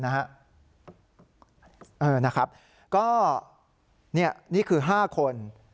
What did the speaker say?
นะครับก็นี่คือ๕คน